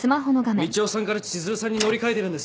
みちおさんから千鶴さんに乗り換えてるんです！